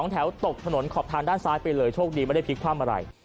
แถวตกถนนขอบทางด้านซ้ายไปเลยโชคดีไม่ได้พลิกคว่ำอะไร